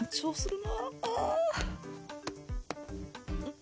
ん？